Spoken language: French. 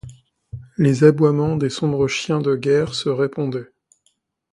Les aboiements des sombres chiens de la guerre se répondaient.